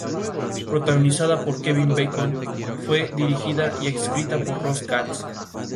Por sus Cursos han estudiado numerosísimos alumnos de todas las universidades españolas.